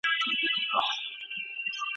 سیاستوال ولي د انسان حقونو ته درناوی کوي؟